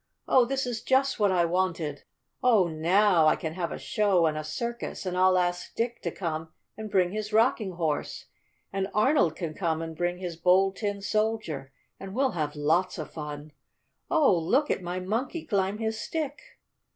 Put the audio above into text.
Oh, this is just what I wanted! Oh, now I can have a show and a circus and I'll ask Dick to come and bring his Rocking Horse, and Arnold can come and bring his Bold Tin Soldier, and we'll have lots of fun. Oh, look at my Monkey climb his stick!"